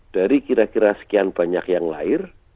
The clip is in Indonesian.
dari sekian banyak yang lahir